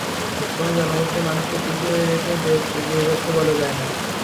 কোনো জনগোষ্ঠীর মানুষকে পিছিয়ে রেখে দেশ এগিয়ে যাচ্ছে বলা যায় না।